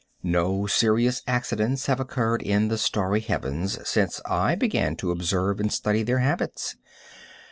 No serious accidents have occurred in the starry heavens since I began to observe and study their habits.